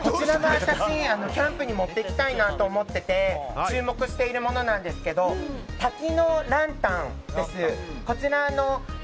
私、キャンプに持っていきたいなと思って注目しているものなんですけど多機能ランタンです。